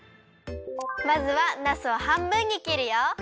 まずはなすをはんぶんにきるよ。